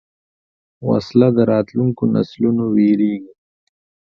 وسله د راتلونکو نسلونو وېرېږي